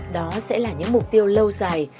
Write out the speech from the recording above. đó sẽ là những mục tiêu lâu dài